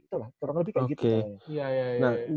itulah kurang lebih kayak gitu